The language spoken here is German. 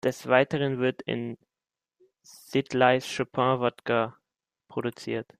Des Weiteren wird in Siedlce Chopin Vodka produziert.